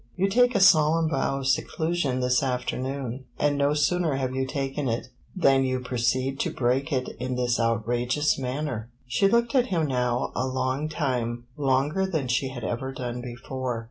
"You take a solemn vow of seclusion this afternoon, and no sooner have you taken it than you proceed to break it in this outrageous manner." She looked at him now a long time longer than she had ever done before.